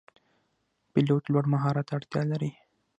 پیلوټ لوړ مهارت ته اړتیا لري.